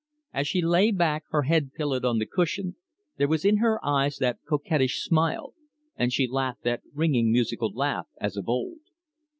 As she lay back, her head pillowed on the cushion, there was in her eyes that coquettish smile, and she laughed that ringing musical laugh as of old.